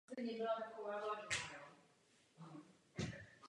Z nápojů pak víno.